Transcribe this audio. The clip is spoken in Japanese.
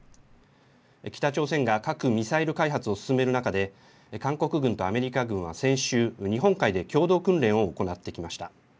北朝鮮が核・ミサイル開発を進める中で韓国軍とアメリカ軍は先週、日本海で共同訓練を行ってきました。